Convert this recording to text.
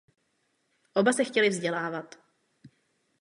Oba se chtěli vzdělávat.